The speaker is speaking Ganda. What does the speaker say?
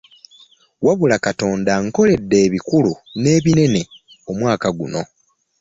Wabula Katonda ankoledde ebikulu n'ebinene omwaka guno.